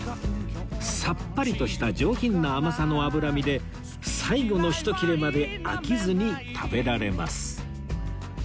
さっぱりとした上品な甘さの脂身で最後の一切れまで飽きずに食べられます